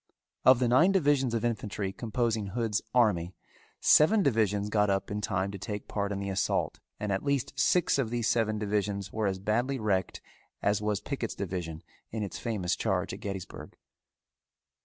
Of the nine divisions of infantry composing Hood's army, seven divisions got up in time to take part in the assault and at least six of these seven divisions were as badly wrecked as was Pickett's division in its famous charge at Gettysburg.